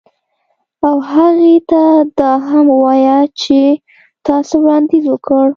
او هغې ته دا هم ووایه چې تا څه وړاندیز وکړ